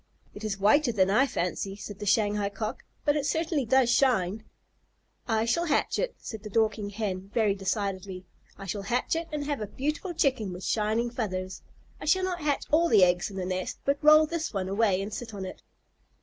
"It is whiter than I fancy," said the Shanghai Cock, "but it certainly does shine." "I shall hatch it," said the Dorking Hen, very decidedly. "I shall hatch it and have a beautiful Chicken with shining feathers. I shall not hatch all the eggs in the nest, but roll this one away and sit on it."